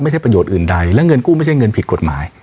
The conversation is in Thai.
ไม่ใช่ประโยชน์อื่นใดและเงินกู้ไม่ใช่เงินผิดกฎหมาย